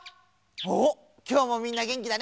おっきょうもみんなげんきだね。